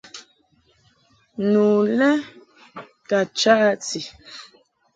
Nu lɛ ka cha a ti.